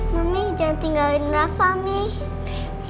mami jangan tinggalin raffa mie